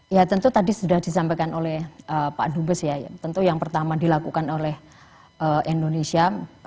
ya tentu tadi sudah disampaikan oleh pak dubes ya tentu yang pertama dilakukan oleh indonesia